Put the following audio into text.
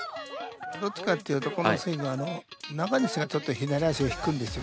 どっちかっていうとこのスイングはあの中西がちょっと左足を引くんですよ